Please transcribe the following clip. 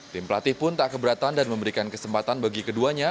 tim pelatih pun tak keberatan dan memberikan kesempatan bagi keduanya